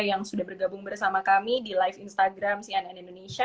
yang sudah bergabung bersama kami di live instagram cnn indonesia